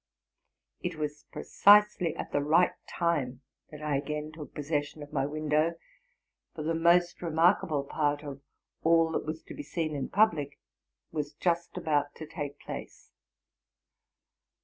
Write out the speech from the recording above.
It was precisely at the right time that I again took posses sion of my window, for the most remarkable part of all that was to be seen in public was just about to take place.